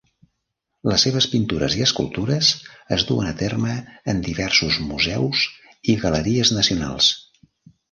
Les seves pintures i escultures es duen a terme en diversos museus i galeries nacionals.